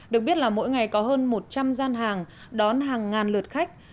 được biết là mỗi ngày có hơn một trăm linh gian hàng đón hàng ngàn lượt khách